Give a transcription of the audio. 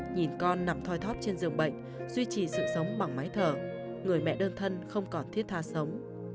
nhìn con nằm thoi thót trên giường bệnh duy trì sự sống bằng máy thở người mẹ đơn thân không còn thiết tha sống